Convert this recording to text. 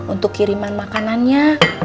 untuk kiriman makanannya